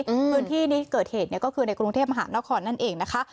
พื้นที่นี้เกิดเหตุเนี่ยก็คือในกรุงเทพมหานครนั่นเองนะคะ